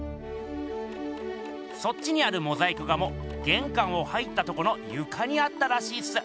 そっちにあるモザイク画もげんかんを入ったとこのゆかにあったらしいっす。